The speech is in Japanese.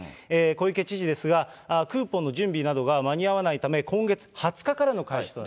小池知事ですが、クーポンの準備などが間に合わないため、今月２０日からの開始と。